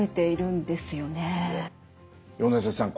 米瀬さん